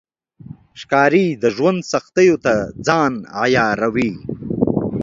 ښکاري د ژوند سختیو ته ځان عیاروي.